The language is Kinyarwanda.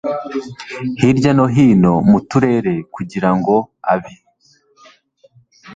hirya no hino mu turere kugira ngo abe